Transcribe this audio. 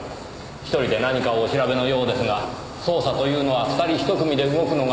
１人で何かをお調べのようですが捜査というのは２人１組で動くのが基本ですよ。